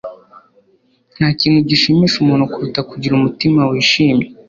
nta kintu gishimisha umuntu kuruta kugira umutima wishimye